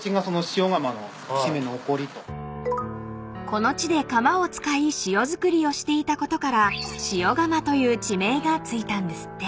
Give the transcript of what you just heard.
［この地で釜を使い塩造りをしていたことから塩竈という地名が付いたんですって］